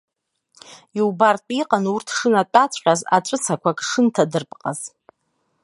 Иубартә иҟан урҭ шынатәаҵәҟьаз аҵәыцақәак шынҭадырпҟаз.